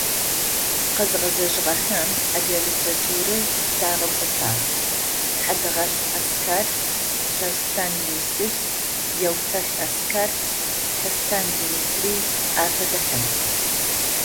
Къэзгъэзэжьыгъэхэм адыгэ литературэр лъагъэкӏотагъ: Хьадэгъэлӏэ Аскэр, Лъэустэн Юсыф, Еутых Аскэр, Кэстэнэ Дмитрий афэдэхэм.